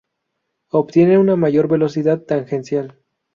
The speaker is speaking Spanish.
Obtienen una mayor velocidad tangencial.